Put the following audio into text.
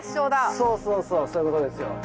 そうそうそうそういうことですよ。